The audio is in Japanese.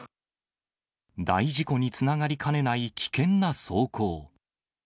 大事故につながりかねない危険な走行。